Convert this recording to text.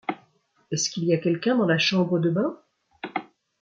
Est-ce qu’il y a quelqu’un dans la chambre de bain ?